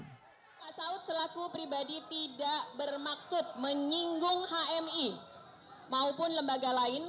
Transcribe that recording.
pak saud selaku pribadi tidak bermaksud menyinggung hmi maupun lembaga lain